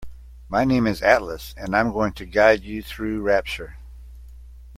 My name is Atlas and I'm going to guide you through Rapture.